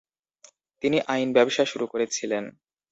তিনি আইন ব্যবসা শুরু করেছিলেন।